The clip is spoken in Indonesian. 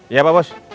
iya pak bos